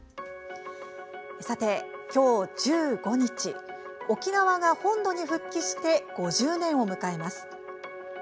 さて、きょう１５日沖縄が本土に復帰して５０年を迎えます。